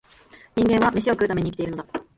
人間は、めしを食うために生きているのだ